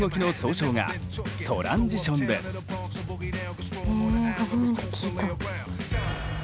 初めて聞いた。